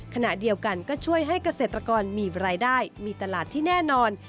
ขณะเดียวกันก็ช่วยให้เกษตรกรมีรายได้มีตลาดที่แน่นอน